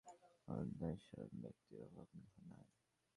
এ মঠে অতি তীক্ষ্ণবুদ্ধি, মেধাবী এবং অধ্যবসায়শীল ব্যক্তির অভাব নাই।